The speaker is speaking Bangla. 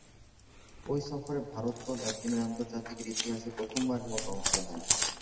ঐ সফরে ভারত দল একদিনের আন্তর্জাতিকের ইতিহাসে প্রথমবারের মতো অংশ নেয়।